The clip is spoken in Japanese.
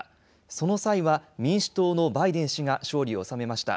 その際は民主党のバイデン氏が勝利を収めました。